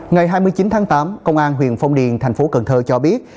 ngày hai mươi chín tháng tám công an huyện phong điền thành phố cần thơ cho biết